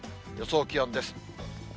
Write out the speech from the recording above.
予想気温です。